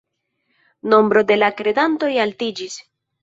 Nombro de la kredantoj altiĝis.